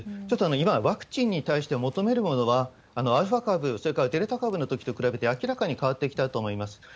ちょっと今、ワクチンに対して求めるものは、アルファ株、それからデルタ株のときと比べて、明らかに変わってきたと思います。